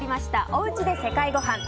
おうちで世界ごはん。